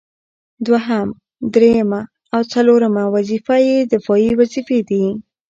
دوهم، دريمه او څلورمه وظيفه يې دفاعي وظيفي دي